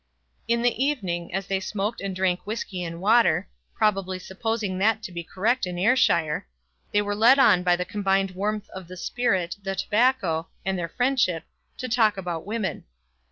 In the evening, as they smoked and drank whiskey and water, probably supposing that to be correct in Ayrshire, they were led on by the combined warmth of the spirit, the tobacco, and their friendship, to talk about women.